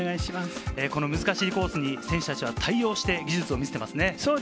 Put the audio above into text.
この難しいコースに選手たちは対応して技術を見せていますね。